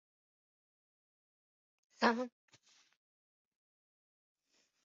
雄性海狗一般在五月末到达群栖地。